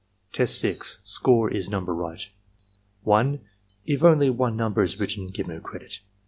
Teste (Score is number right.) . 1. If only one number is written, give no credit.